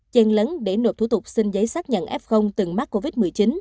chàn lấn để nộp thủ tục xin giấy xác nhận f từng mắc covid một mươi chín